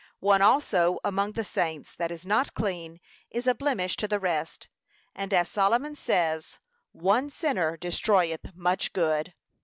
One also among the saints, that is not clean, is a blemish to the rest, and, as Solomon says, 'one sinner destroyeth much good.'